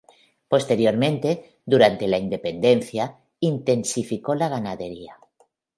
Posteriormente, durante la Independencia, intensificó la ganadería.